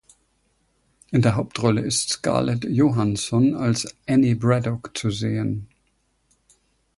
In der Hauptrolle ist Scarlett Johansson als Annie Braddock zu sehen.